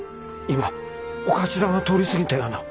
今お頭が通り過ぎたような。